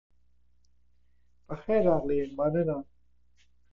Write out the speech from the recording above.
ټول د لوستلو ارزښت لري